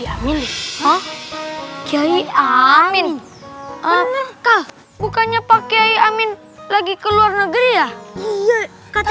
amin ah ah ah bukannya pakai amin lagi keluar negeri ya iya kata